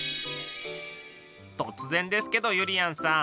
突然ですけどゆりやんさん。